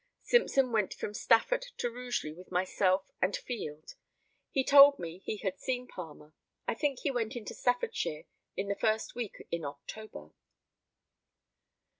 Simpson went from Stafford to Rugeley with myself and Field. He told me he had seen Palmer. I think he went into Staffordshire in the first week in October.